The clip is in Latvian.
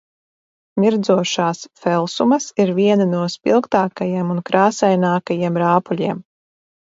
Mirdzošās felsumas ir vieni no spilgtākajiem un krāsainākajiem rāpuļiem.